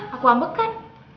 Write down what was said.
aku ambek kan